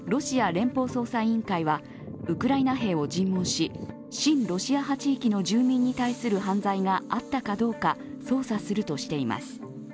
ウクライナ兵を尋問し親ロシア派地域音住民に対する犯罪があったかどうか、捜査するとしています。